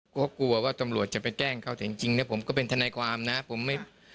คนขับตำรวจ้างในเราที่กันคุณทางกันป่ะ